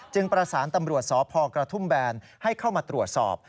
ประสานตำรวจสพกระทุ่มแบนให้เข้ามาตรวจสอบ